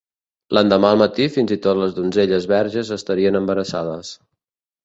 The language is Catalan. L'endemà al matí fins i tot les donzelles verges estarien embarassades.